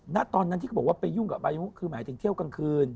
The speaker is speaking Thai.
ณตอนนั้นที่เขาบอกว่าไปยุ่งกับอายุคือหมายถึงเที่ยวกลางคืน